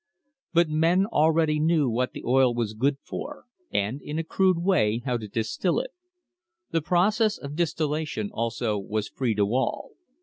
But men knew already what the oil was good for, and, in a crude way, how to distil it. The process of distillation also was free to all.